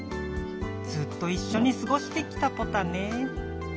ずっといっしょにすごしてきたポタね。